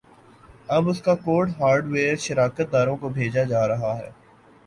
اب اسکا code hardware شراکت داروں کو بھیجا جارہا ہے